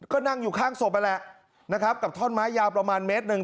ก็นั่งอยู่ข้างศพนั่นแหละนะครับกับท่อนไม้ยาวประมาณเมตรหนึ่ง